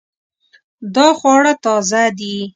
دا خواړه تازه دي